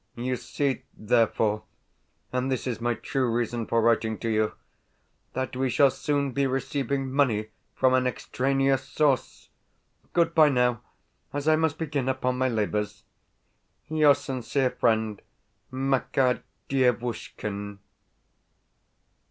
You see therefore (and this is my true reason for writing to you), that we shall soon be receiving money from an extraneous source. Goodbye now, as I must begin upon my labours. Your sincere friend, MAKAR DIEVUSHKIN.